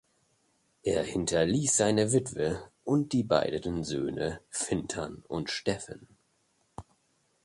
Er hinterließ seine Witwe und die beiden Söhne Fintan und Stephen.